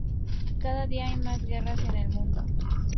Cada día hay más guerras en el mundo.